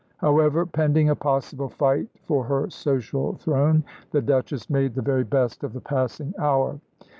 However, pending a possible fight for her social throne, the Duchess made the very best of the passing hour.